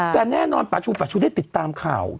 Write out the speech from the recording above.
แต่แน่นอนป๊าชูได้ติดตามข่าว